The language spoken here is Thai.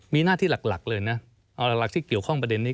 มีหน้าที่หลักเลยนะเอาหลักที่เกี่ยวข้องประเด็นนี้